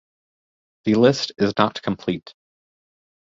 The list is not complete.